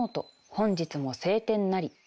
本日も晴天なり。